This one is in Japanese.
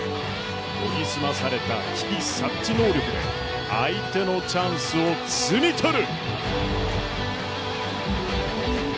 研ぎ澄まされた危機察知能力で相手のチャンスを摘み取る。